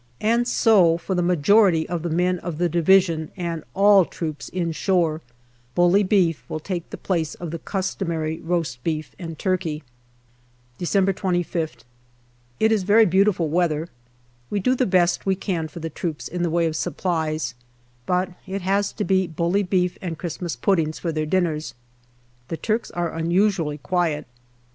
And so, for the majority of the men of the Division and all troops inshore, bully beef will take the place of the customary roast beef and turkey. December 25th It is very beautiful weather. We do the best we can for the troops in the way of supplies, but it has to be bully beef and Christmas puddings for their dinners. The Turks are unusually quiet.